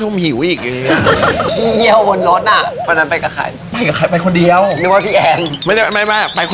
วีวิลิตเดินมาบอก